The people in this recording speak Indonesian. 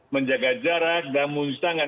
menjaga jarak dan mencuci tangan